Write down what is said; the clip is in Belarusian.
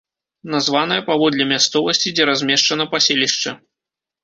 Названая паводле мясцовасці, дзе размешчана паселішча.